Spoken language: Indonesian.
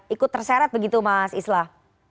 ikut terseret begitu mas islah